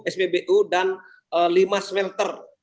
spbu dan lima smelter